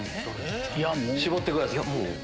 絞ってください。